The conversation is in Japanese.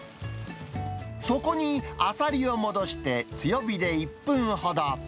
そこに、アサリを戻して強火で１分ほど。